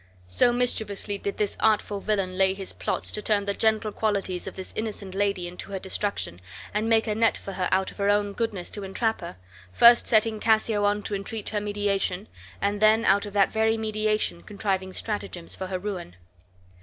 So mischievously did this artful villain lay his plots to turn the gentle qualities of this innocent lady into her destruction, and make a net for her out of her own goodness to entrap her, first setting Cassio on to entreat her mediation, and then out of that very mediation contriving stratagems for her ruin.